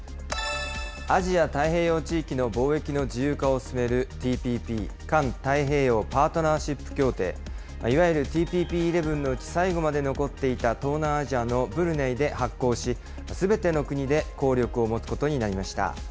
アジア太平洋地域の貿易の自由化を進めるＴＰＰ・環太平洋パートナーシップ協定、いわゆるＴＰＰ１１のうち、最後まで残っていた東南アジアのブルネイで発効し、すべての国で効力を持つことになりました。